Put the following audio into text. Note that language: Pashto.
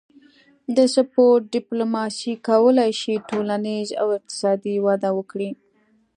د سپورت ډیپلوماسي کولی شي ټولنیز او اقتصادي وده وکړي